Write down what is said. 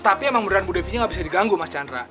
tapi emang beneran bu devinya gak bisa diganggu mas candra